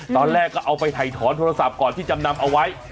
ตอนแรกก็เอาไปถ่ายถอนโทรศัพท์ก่อนที่จำนำเอาไว้